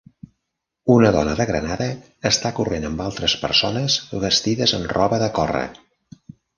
una dona de granada està corrent amb altres persones vestides amb roba de córrer